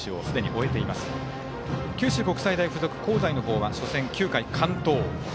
九州国際大付属、香西の方は初回９回完投。